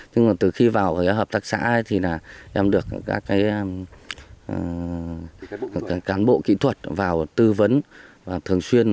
nhưng mà từ khi vào hợp tác xã thì em được các cán bộ kỹ thuật vào tư vấn thường xuyên